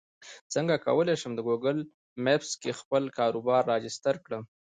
څنګه کولی شم د ګوګل مېپس کې خپل کاروبار راجستر کړم